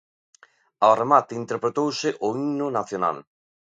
Ao remate interpretouse o himno nacional.